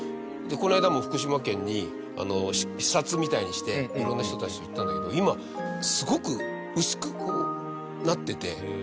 この間も福島県に視察みたいにして色んな人たちと行ったんだけど今すごく薄くこうなってて。